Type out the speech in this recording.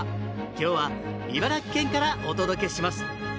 今日は茨城県からお届けします